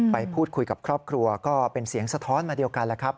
ไปพูดคุยกับครอบครัวก็เป็นเสียงสะท้อนมาเดียวกันแล้วครับ